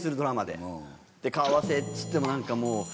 顔合わせっつっても何かもう。